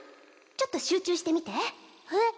ちょっと集中してみてええっ！？